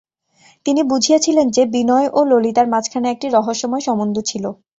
তিনি বুঝিয়াছিলেন যে, বিনয় ও ললিতার মাঝখানে একটি রহস্যময় সম্বন্ধ ছিল।